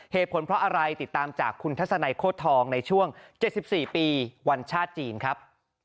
เหตุผลเพราะอะไรติดตามจากคุณทัศนัยโคตรทองในช่วง๗๔ปีวันชาติจีนครับ